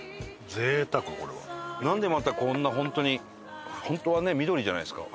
なんでまたこんなホントにホントはね緑じゃないですか。